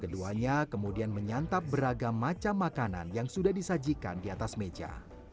keduanya kemudian menyantap beragam macam makanan yang sudah disajikan di atas meja